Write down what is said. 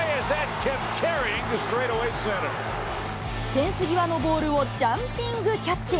フェンス際のボールをジャンピングキャッチ。